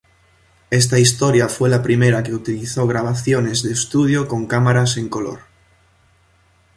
Esta historia fue la primera que utilizó grabaciones de estudio con cámaras en color.